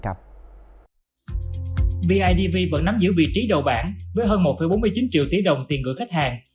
vị trí đầu bản với hơn một bốn mươi chín triệu tỷ đồng tiền gửi khách hàng